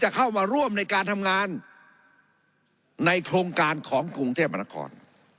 เข้ามาร่วมในการทำงานในโครงการของกรุงเทพมนาคม